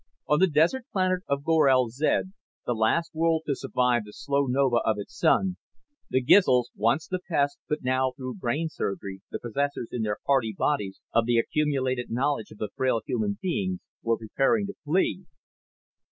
On the desert planet of Gorel zed, the last world to survive the slow nova of its sun, the Gizls, once the pests but now through brain surgery the possessors in their hardy bodies of the accumulated knowledge of the frail human beings, were preparing to flee.